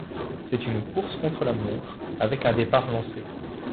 C'est une course contre la montre avec un départ lancé.